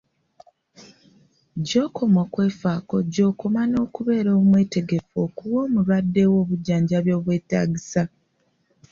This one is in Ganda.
Gy'okoma okwefaako gy'okoma n'okubeera omwetegefu okuwa omulwadde wo obujjanjabi obwetaagisa